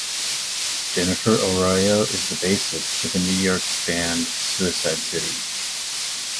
Jennifer Arroyo is the bassist for the New York band Suicide City.